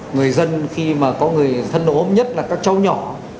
người dân khi mà có người thân ốm nhất là các cháu nhỏ